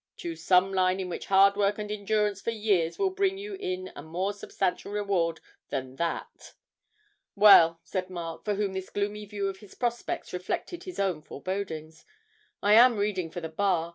Choose some line in which hard work and endurance for years will bring you in a more substantial reward than that.' 'Well,' said Mark, for whom this gloomy view of his prospects reflected his own forebodings, 'I am reading for the Bar.